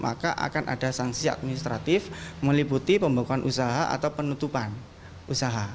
maka akan ada sanksi administratif meliputi pembekuan usaha atau penutupan usaha